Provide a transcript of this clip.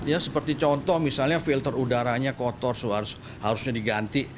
ya seperti contoh misalnya filter udaranya kotor harusnya diganti